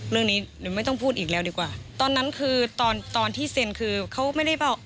เรื่องนี้หนูไม่ต้องพูดอีกแล้วดีกว่าตอนนั้นคือตอนตอนที่เซ็นคือเขาไม่ได้เปล่า